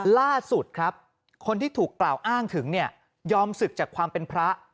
ล่าสุดครับคนที่ถูกกล่าวอ้างถึงเนี่ยยอมศึกจากความเป็นพระ